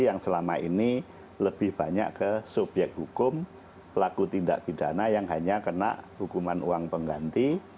yang selama ini lebih banyak ke subyek hukum pelaku tindak pidana yang hanya kena hukuman uang pengganti